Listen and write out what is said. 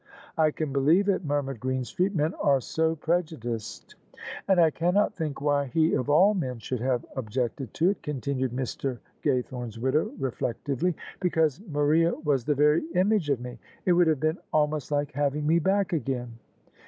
"I can believe it," murmured Greenstreet: "men are so prejudiced." "And I cannot think why he of all men should have objected to it," continued Mr. Gaythome's widow reflec tively; "because Maria was the very image of me. It would have been almost like having me back again."